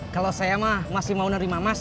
kalau saya mah masih mau nerima emas